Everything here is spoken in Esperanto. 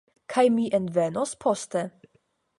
Kaj mi envenos poste.